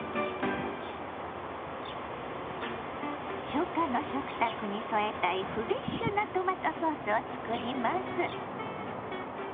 初夏の食卓に添えたいフレッシュなトマトソースを作ります。